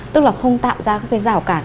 tức là không tạo ra các rào cản